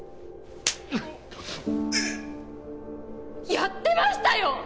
やってましたよ！